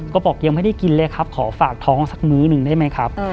ก็บอกยังไม่ได้กินเลยครับขอฝากท้องสักมื้อหนึ่งได้ไหมครับ